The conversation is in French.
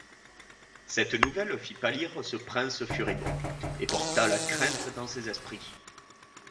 Cette nouvelle fit pâlir ce prince furibond, et porta la crainte dans ses esprits.